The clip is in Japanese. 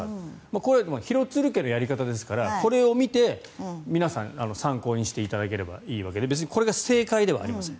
これは廣津留家のやり方ですからこれを見て、皆さん参考にしていただければいいわけで別にこれが正解ではありません。